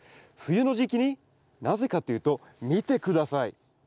冬の時期になぜかというと見て下さい。